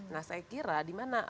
nah saya kira dimana